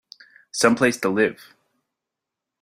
Some place to live!